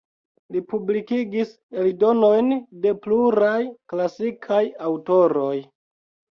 Li publikigis eldonojn de pluraj klasikaj aŭtoroj.